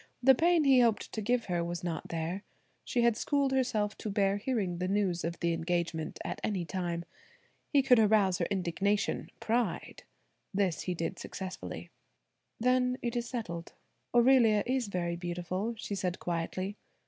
The pain he hoped to give her was not there. She had schooled herself to bear hearing the news of the engagement at any time. He could arouse her indignation–pride; this he did successfully. "Then it is settled. Aurelia is very beautiful," she said quietly.